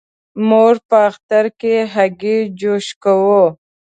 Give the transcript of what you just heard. موږ په اختر کې هګی جوش کوو.